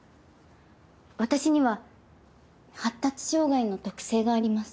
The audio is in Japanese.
私には発達障害の特性があります。